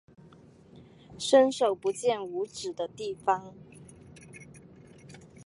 伸手不见五指的地方